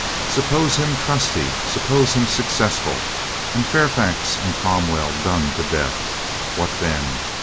Suppose him trusty, suppose him successful, and Fairfax and Cromwell done to death, what then?